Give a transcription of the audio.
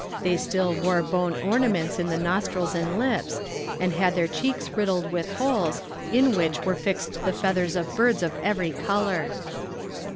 They still wore bone ornaments in the nostrils and the lips, and had their cheeks riddled with holes, in which were fixed the feathers of birds of every colour.